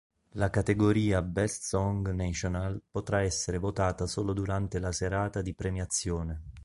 La categoria "Best Song National" potrà essere votata solo durante la serata di premiazione.